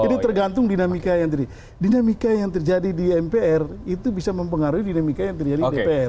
jadi tergantung dinamika yang terjadi dinamika yang terjadi di mpr itu bisa mempengaruhi dinamika yang terjadi di dpr